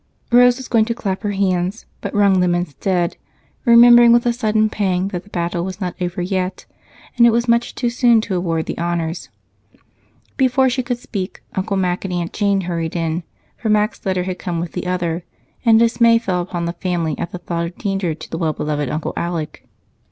Rose was going to clap her hands, but wrung them instead, remembering with a sudden pang that the battle was not over yet, and it was much too soon to award the honors. Before she could speak Uncle Mac and Aunt Jane hurried in, for Mac's letter had come with the other, and dismay fell upon the family at the thought of danger to the well beloved Uncle Alec.